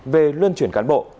về luân chuyển cán bộ